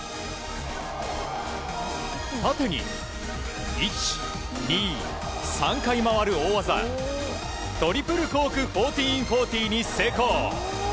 縦に１、２、３回回る大技トリプルコーク１４４０に成功！